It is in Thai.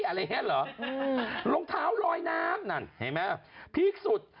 อะไรแหละหรอรองเท้าลอยน้ำนั่นเห็นไหมพีคสุด